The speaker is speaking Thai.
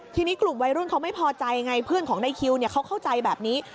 ทีนี้กลุ่มวัยรุ่นเขาไม่พอใจไงเพื่อนของนายคิวเขาเข้าใจแบบนี้